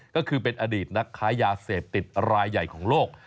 ก็คือเป็นอดีตนักค้ายาเสพติดรายใหญ่ของโลก